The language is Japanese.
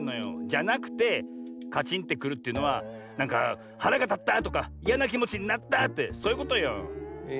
じゃなくてカチンってくるというのはなんかはらがたったとかいやなきもちになったってそういうことよ。